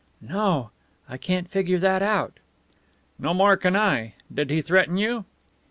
"No. I can't figure that out." "No more can I. Did he threaten you?"